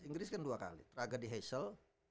inggris kan dua kali tragedy hazel